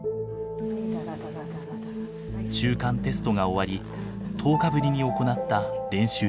中間テストが終わり１０日ぶりに行った練習中でした。